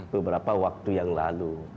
beberapa waktu yang lalu